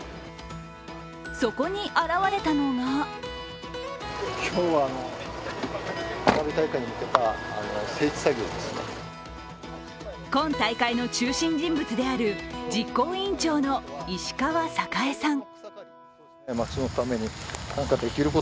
そこに現れたのが今大会の中心人物である実行委員長の石川栄さん。